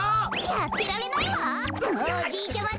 やってられないわ！